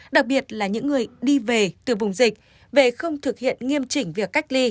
đặc biệt là những người đi về từ vùng dịch về không thực hiện nghiêm chỉnh việc cách ly